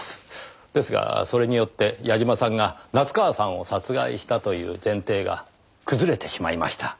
ですがそれによって矢嶋さんが夏河さんを殺害したという前提が崩れてしまいました。